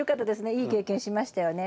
いい経験しましたよね。